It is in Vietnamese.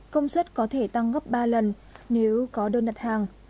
công suất có thể tăng gấp ba lần nếu có đơn đặt hàng